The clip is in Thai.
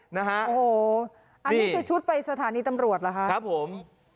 อันนี้คือชุดไปสถานีตำรวจล่ะครับ